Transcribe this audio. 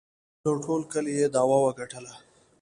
له ټول کلي یې دعوه وگټله